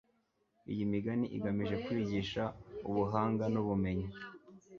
iyi migani igamije kwigisha ubuhanga n'ubumenyi